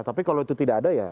tapi kalau itu tidak ada ya